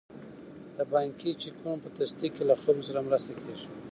د بانکي چکونو په تصدیق کې له خلکو سره مرسته کیږي.